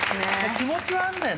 気持ちはあんだよ